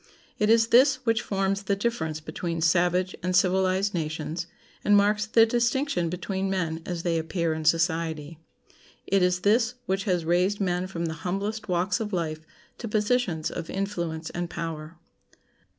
It is this which forms the difference between savage and civilized nations, and marks the distinction between men as they appear in society. It is this which has raised men from the humblest walks of life to positions of influence and power.